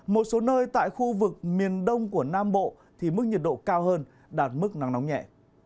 một số nơi tại khu vực miền đông của nam bộ thì mức nhiệt độ cao hơn đạt mức nắng nóng nhẹ